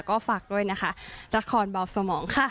ก็ฝากด้วยนะคะละครเบาสมองค่ะ